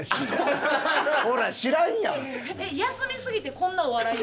休みすぎてこんなお笑い。